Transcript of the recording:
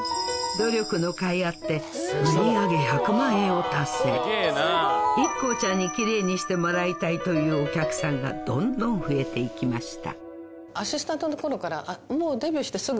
努力のかいあってＩＫＫＯちゃんにキレイにしてもらいたいというお客さんがどんどん増えていきました